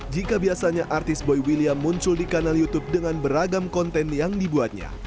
jika biasanya artis boy william muncul di kanal youtube dengan beragam konten yang dibuatnya